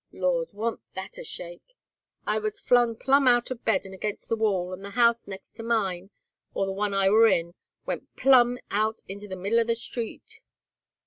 Lord! warn't that a shake? I was flung plumb out of bed and against the wall, and the house next to mine, or the one I war in, went plumb out into the middle of the street.